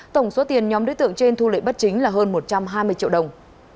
tổng số tiền nhóm đối tượng trên thu lệ bắt chính là hơn một trăm hai mươi triệu đồng